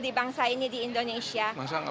di bangsa ini di indonesia